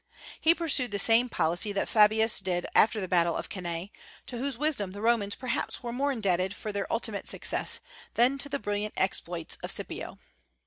He pursued the same policy that Fabius did after the battle of Cannae, to whose wisdom the Romans perhaps were more indebted for their ultimate success than to the brilliant exploits of Scipio.